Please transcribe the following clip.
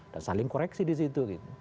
dan saling koreksi disitu